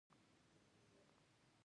قومونه د افغانستان د طبیعي زیرمو برخه ده.